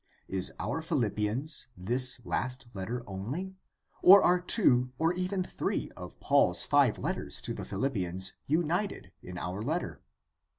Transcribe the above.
Is our Philippians this last letter only, or are two or even three of Paul's five letters to the Philipj)ians united in our letter